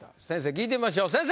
先生に聞いてみましょう。